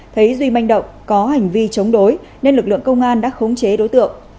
thấy duy manh động có hành vi chống đối nên lực lượng công an đã khống chế đối tượng